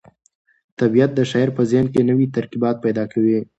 طبیعت د شاعر په ذهن کې نوي ترکیبات پیدا کوي.